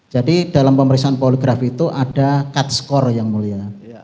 jadi dalam pemeriksaan poligrafi itu ada cut score yang mulia